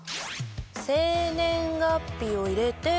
生年月日を入れて。